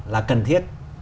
là cần thiết